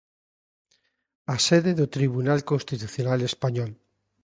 A sede do Tribunal Constitucional español.